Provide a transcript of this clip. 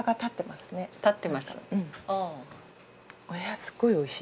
すごいおいしい。